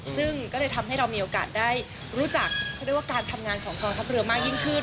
ซึ่งก็เลยทำให้เรามีโอกาสได้รู้จักเขาเรียกว่าการทำงานของกองทัพเรือมากยิ่งขึ้น